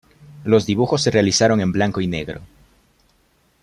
Los dibujos se realizaron en blanco y negro.